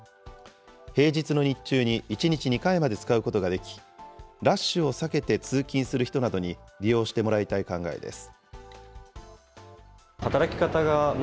平日の日中に１日２回まで使うことができ、ラッシュを避けて通勤する人などに利用してもらいたい考えです。